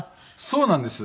そうなんです。